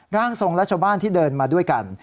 ร่างทรงและชาวบ้านที่เดินมาด้วยกัน